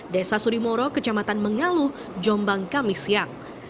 desa sudimoro kejamatan mengaluh jombang kamis siang